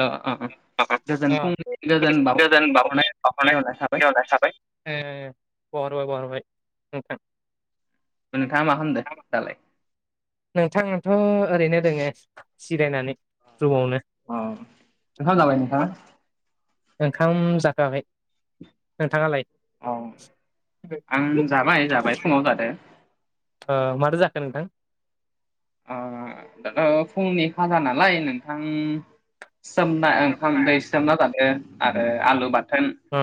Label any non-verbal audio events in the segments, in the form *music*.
ओ ओ ओ गोजोन फुंनि गोजोन बाव बावहरनाय जासिहरनाय थाबाय *unintelligible* ओ बहरबाय बावहरबाय ओम नोंथाङा मा खालामदों दालाय नोंथां आंथ' ओरैनो दोङो सिरायनानै रुमावनो अ ओंखाम जाबाय नोंथांङा ओंखाम जाखाङाखै नोंथाङालाय औ आं जाबाय जाबाय फुंङाव जादों ओ माथो जाखो नोंथां आ ओ फुंनि खाजा नालाय नोंथां सोमना ओंखाम दै सोमना जादो आरो आलु बाथोन औ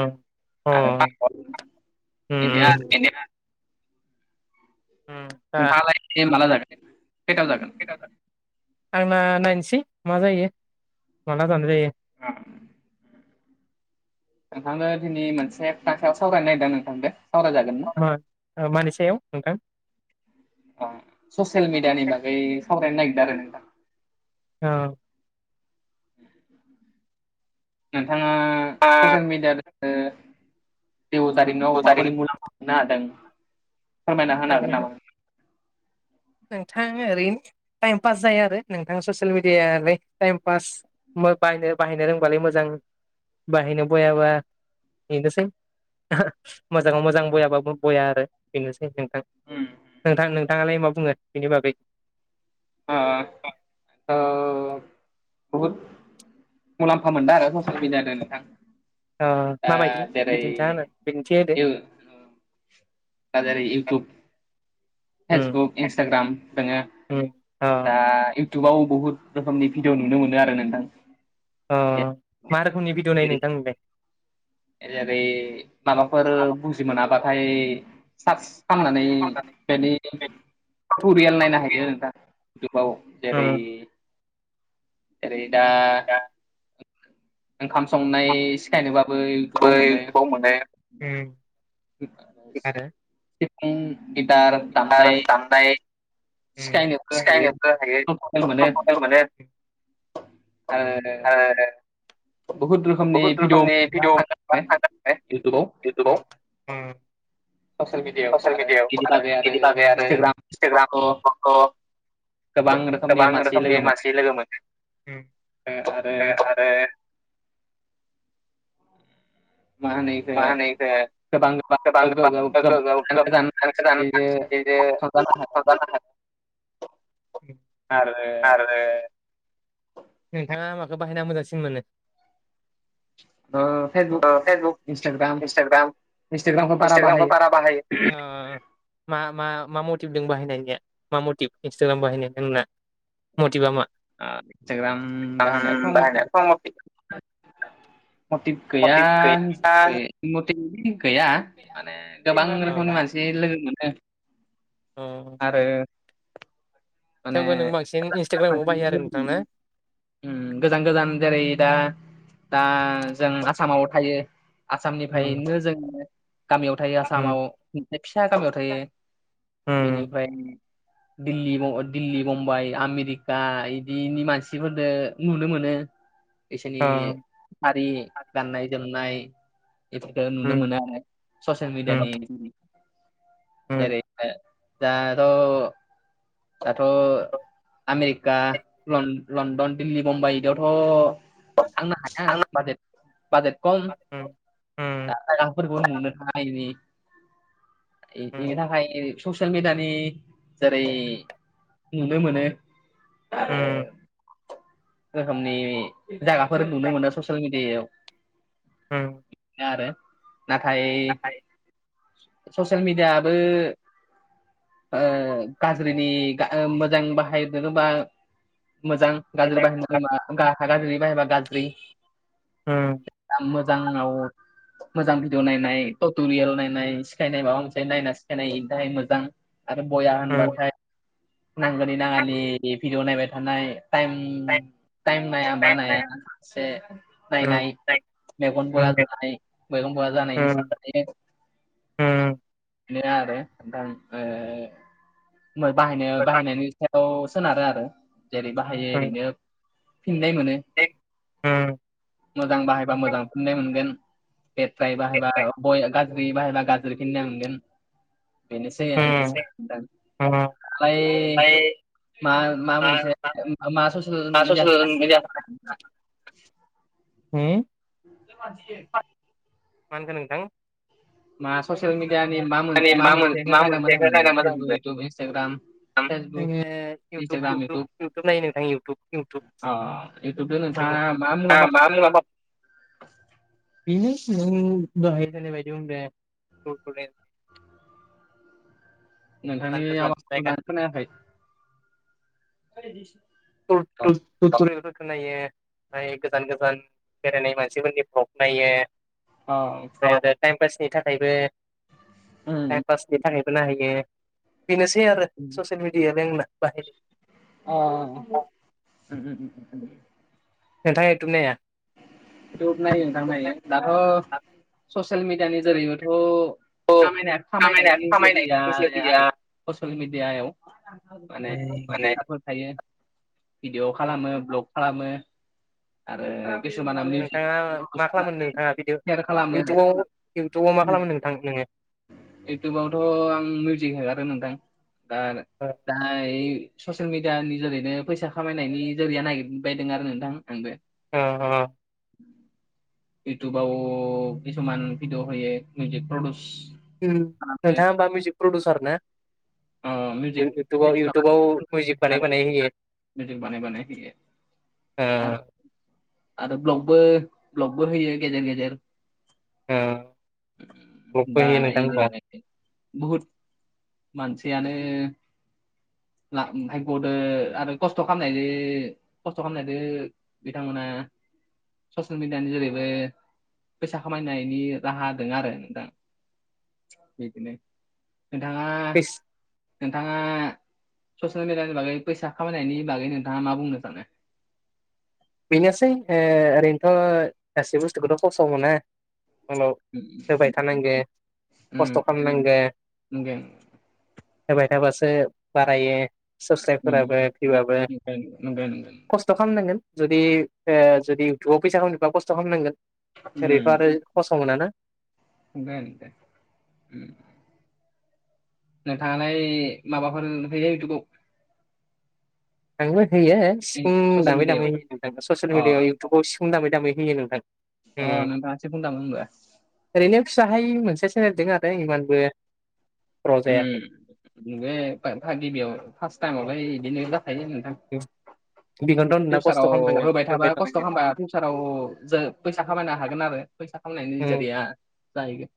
उम *unintelligible* उम उम दा नोंथाङालाय माला जागोन खैथाव जागोन आंना नायनोसै मा जायो माला जानाय जायो ओम नोंथांनो दिनै मोनसे तासायाव सावरायनो नागिरदों नोंथांजों सावरायजागोन ना? ओ मानैसायाव नोंथां अ ससियेल मिडियानि बागै सावरायनो नागिरदों आरो नोंथां औ *inaudible* नोंथाङा ससियेल मिडियाजो जिउ जारिमिनाव माबोरै मुलाम नादों फोरमायना होनो हागोन नामा नोंथां ओरैनो टाइम पास जायो आरो नोंथां ससियेल मिडियालाय टाइम फास बायनो बाहायनो रोंबालाय मोजां बाहायनो बयाबा बेनोसै मोजाङाव मोजां बयाबाबो बया आरो बेनोसै नोंथां उम नोंथां नोंथाङालाय मा बुङो बेनि बागै ओ ओ बुहुद मुलाम्फा मोनदों आरो ससियेल मिडियादो नोंथां ओ दा माबायदि जेरै बिदिन्था होनो बिदिन्थि होदो आर ओरै इउटुब उम फेसबुक इन्सटाग्राम नोङो *unintelligible* ओ इउटुबाव बहुत रोखोमनि भिडिअ नुनो मोनो आरो नोंथां ओ मा रोखोमनि भिडिअ नाइयो नोंथां नोंलाय? जेरै माबाफोर बुजि मोनाबाथाय सार्स खालामनानै बेनि टुट'रियेल नायनो हायो नोंथां इउटुबाव जेरै उम जेरै दा ओंखाम संनाय सिखायनोबाबो इउटुबाव बै मोनो गोबाव मोनो *inaudible* गिटार सिफुं गिटार दामनाय ओमफाय उम सिखायनोबो हायो सिखायनोबो हायो माने ओ बहुत रोखोमनि भिडिअ समनि मोननो थाङो इउटुबाव *unintelligible* ससियेल मिडियायाव ससियेल आरो मिडियायाव बिनि आरो बागै बेनि बागै आरो इन्सटाग्राम फेसबुकआवथ' *unintelligible* गोबां रोखोमनि गोबां मानसि रोखोमनि लोगो मोनो मानसि लोगो मोनो आरो ओ आरो माहोनो माहोनो इखो गोजान गोजान मानसिजो *unintelligible* आरो आरो नोंथाङा माखो बाहायना मोजांसिन मोनो? फेसबुक ओ फेसबुक इन्सटाग्राम इन्सटाग्राम इन्सटाग्रामखौ बारा इन्सटाग्रामखौ बाहायो बारा बाहाय ओ मा मा मा मटिभ दं बाहायनायनि मा मटिभ इन्सटाग्राम बाहायनाय नोंना मटिबा मा? आ इसटाग्राम बाहायनायाथ' आं मटिब *unintelligible* मटिब गैया मटिभा *unintelligible* मटिब गैया माने गोबां रोखोमनि मानसि लोगो मोनो औ आरो माने थेवबो नों बांसिन गोदान इन्सटाग्रामखौ गोदान मानसि बाहायो आरो लोगो नोंथां मोनो ना? उम गोजान गोजान जेरै दा दा जों आसामाव थायो आसामनिफ्रायनो जों गामियाव थायो आसामाव फिसा गामियाव थायो बेनि उम फ्राय दिल्ली दिल्ली बम्बाइ आमेरिका इदिनि मानसिफोरनो नुनो मोनो। बिसोरनि अ हारि गाननाय जोमनाय बेफोरखौ नुनो उम मोनो आरो। ससियेल उम मिडियानि उम दारैनो दाथ' दाथ' आमेरिका लन-लन्डन दिल्ली बुम्बाइ बिदियावथ' थांनो हाया बाजेट बाजेट खम उम दा गाफोरखौ नुनो थाङिनि इ उम इनि थाखाय ससियेल मिडायानि जेरै नुनो मोनो आरो उम रोखोमनि जायगाफोर नुनो मोनो ससियेल मिडियायाव ओम आरो नाथाय ससियेल मिडियाबो ओ गाज्रिनि मोजां बाहायनोबा मोजां गाज्रि बाहायनो गाज्रि बाहायबा गाज्रि ओम आं मोजांआव मोजां भिडिअ नायनाय, टट'रियेल नायनाय सिखायनाय माबा मोनसे नायना सिखायनाय बेनि थाखाय मोजां। आरो बया होनबाथाय नांगौनि नाङानि भिडिअ' नायबाय थानाय टाइम टाइम नाया मा नाया एसे नायनाय उम मेगनफोरा *unintelligible* मेगन बया जानायनि *unintelligible* उम उम नो आरो नोंथां ओ बाहायनो बाहायनायनि सायाव सोनारो आरो जेरै बाहायो ओरैनो फिननाय मोनो, उम मोजां बाहायबा मोजां फिननाय मोनगोन लेथ्रायै बाहायबा बय गाज्रियै बाहायबा गाज्रि फिन्नाय मोनगोन। बेनिसै आर दा। ओमफ्राय ओमफाय मा‌ मा मोनसे मा ससे *unintelligible* ससेल मेडिया *unintelligible* हो? *unintelligible* *unintelligible* मा होनखो नोंथां? मा ससियेल मिडियानि मा माने मा मोन मोनसेखो मा नायना मोजां मोनसेखौ मोनो नायना मोजां फेसबुक, इउटुब, इन्सटाग्राम? फेसबुक आङो YouTube Instagram YouTube YouTube YouTube नायो इउथुब इउथुब। अ इउटुबजों नोंथाङा मा मुलाम्फा *unintelligible* बेनो नों दहाय होननाय बायदिनो बे *unintelligible* नोंथांनि गोजान आवाजखौ मोजाङै खोनायाखै *unintelligible* *unintelligible* फोरखौ नायो गोदान गोदान बेरायनाय मानसिफोरनि ब्लक नायो। अ। ओमफ्राय आरो टाइम पासनि थाखायबो उम *unintelligible* बासनि थाखायबो नाहैयो बेनोसै आरो ससियेल मिडियायालाय आंना बाहाय अ ओ ओ। नोंथाङा इउटुब नाया? टुब नायो नोंथां नायो दाथ' ससियेल मिडियानि जोरैबोथ' खामायनाया खामायनाय खामायनाय खामायनायनि *unintelligible* गैया आरो ससियेल मिडियायाव। माने ओम माने इनफ्लुयेन्सारफोर थायो भिडिअ' खालामो ब्लग खालामो आरो किसुमाना मिउजिक नोंथाङा मा खालामो, सेयार नोंथाङा भिडिअ खालामो इउटुबाव इउटुबाव मा खालामो नोंथां नोङो? इउटुबावथ' आं मिउजिक हेगारो नोंथां दा दायो ससियेल मिडियानि जोरैनो फैसा खामायनायनि जोरिया नागिरबायदों आरो नोंथां आंबो। अ अ। इउटुबाव कसुमान भिदिअ होयो मिउजिक प्रदिउस ओम नोंथाङा मा मिउजिक प्रडिउसार ना? ओ मिउजिकनि इउ-इउथुबाव माबा इउटुबाव मिउजिक बानाय आरो बानाय होयो। मिउजिक बानाय बानाय होयो ओ आरो आरो ब्लगबो ब्लगबो होयो गेजेर गेजेर। ओ ब्लगबो दा होयो नोंथां होमबा एनो आरोखि बुहुत मानसियानो *unintelligible* फायग'दो आरो खस्थ' खालामनायदो खस्थ' खालामनायदो बिथांमोना ससियेल मिडियानि जोरैबो फैसा खामायनायनि राहा दोङो आरो नोंथां। बिदिनो *unintelligible* नोंथाङा ससियेल मिडियानि बागै फैसा खामायनायनि बागै नोंथाङा मा बुंनो सानो? बेनोसै ओ ओरैनोथ' गासै बुस्थुखौथ' खहस' मोना। हेलौ। होबाय थानांगो उम खस्थ' खालामनांगो नंगौ होबाय थाबासो बारायो नंगौ साबसक्राइबफोराबो भिउआबो नंगौ नंगौ नंगौ ख' खस्थ' खालामनांगोन जुदि जुदि इउटुबाव फैसा खालामनोबा खस्थ' खालामनांगोन ओरैथ' आरो फसं मोना ना *inaudible* नोंथाङा माबाफोर होयो इउटुबाव आंबो होयो सिफुं ससियेल दामै दामै मिडियायाव होयो नोंथां ससियेल अ मिडियाायाव इउटुबाव सिफुं दामै दामै होयो नोंथां अ नोंथांआ सिफुं दामोहोनबा ओरैनो फिसाहाय मोनसेसो सेनेलदं आरो इमानबो गर'जायाखै उम बे गिबियाव फार्स्ट टाइमावहाय बिदिनो जाखायो नोंथां बेखौनोथ' नोंना खस्थ' फिउसाराव खालामदों होबाय थाबा खस्थ' खालामबाय फिउसाराव ज फैसा खामायनो हागोन आरो फैसा खामनायनि उम गारिया जाहैगोन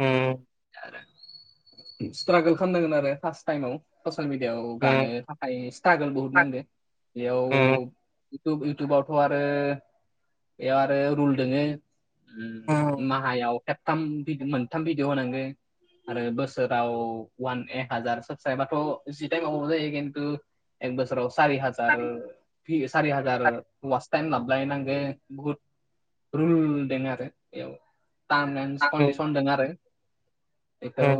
उम आरो स्ट्रागोल खालामनांगोन आरो फार्स्ट टाइमाव ससिल मिडिया आआव गानो उम हाइ स्ट्रगल बहुद नांदो बेयाव उम उटुब इउटुबावथ' आरो बेयाव आरो रुल दङो उम माहायाव खेबथाम मोनथाम भिदिअ' होनांगौ आरो बोसोराव वान एक हाजार सबस्राइबाथ' जि टाइमावबा जायो खिन्थु एख बोसोराव सारि हाजार फ सारि हाजार टाइम लाब लायनांगो बहुद रुल दङ आरो बेयाव टर्म्स एंड कंडीशनदोङो आरो बेखौ उम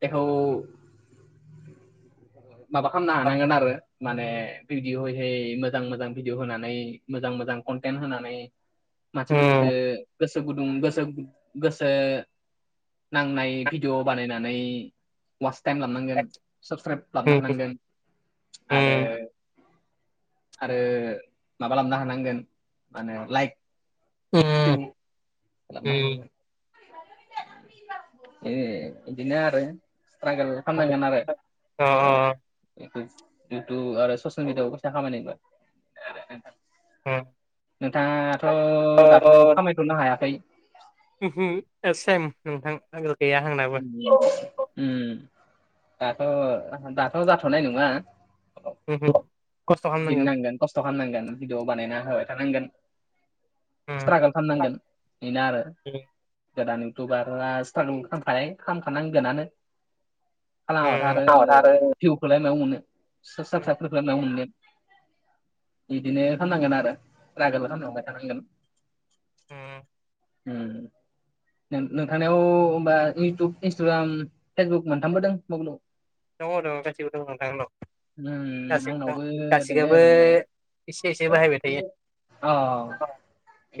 बेखौ माबा खालामनो हानांगोन आरो माने भिदिअहै मोजां मोजां भिदिअ होनानै मोजां मोजां कनटेन्ट होनानै उम मानसिफोरनिखो गोसो गुदुं गोसो ग गसो नांनाय भिडिअ बानायनानै वास टाइम लाबोनांगोन साबसक्राइब लाबनो हानांगोन आरो उम आरो माबा खालामनो हानांगोन मा होनो लाइक *inaudible* ए *inaudible* लांनो उम हानांगोन ए बिदिनो आरो सिथरागोल खामनांगोन आरो अ बे इउटुब आरो ससियेल मिडियाआव फैसा खामाय ना नोंथाङाथ' अ दाथ' खामायथ'नो हायाखै। उमहु सेम नोंथां आगोल गैया आंनाबो। दाथ' दाथ' जाथ'नाय नङा। उमहु। दिननांगोन खस्थ' खालामनांगोन भिदिअ बानायना होबाय थानांगोन। उम स्ट्रागोल खालामनांगोन बेनो आरो। गोदान इउटुबारा स्ट्रागोल खामखानाय खालामखानांगोनानो। खालामाबाथ आरो भिउखौलाय माबा मोनो उम साबखखौलाय माबा मोनो। बिदिनो खालामनांगोन आरो स्ट्रागोल खालामनांबाय थानांगोन। उम नोंथांनायाव होमबा इउटुब इन्सटाग्राम फेक्सबुक मोनथामबोदों मबेलाव दङ दङ गासिबो दङ नोंथां' उम गासैबो दं। आंनावबो दोङो गासिखौबो दोंनाया एसे एसे बाहायबाय थायो। अ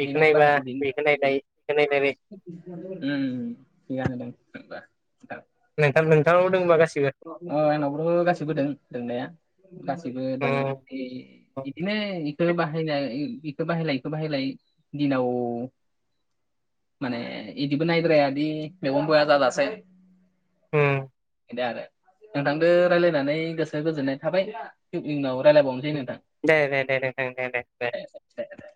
बेखौ नायबा बेखौ नायलाय बेखौ नायलाय ओ थिगानो दं ओमबा नोंथां। नोंथां नोंथांनाव दं ओमबा गासिबो। अ आंनावबो दं दङो गासैबो दों दोंनाया गासैबो दोङ। उम ए बिदिनो इखो बाहायलाय इखो बाहायलाय इखो बाहायलाय दिनाव माने इदिबो नायद्रायादि मेगं बया जाजासे उम। बेनो आरो नोंथांजों रायज्लायनानै गोसो गोजोननाय थाबाय उनाव रायलायबावनो दे दे दे दे दे दे दे दे। *inaudible*